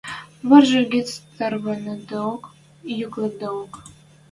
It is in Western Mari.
Вӓржӹ гӹц тӓрвӓнӹдеок, юк лыкдеок